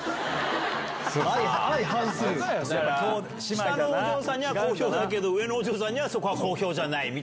下のお嬢さんには好評だけど上のお嬢さんには好評じゃない。